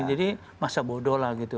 jadi masa bodoh lah gitu